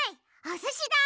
おすしだ！